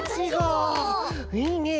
いいねえ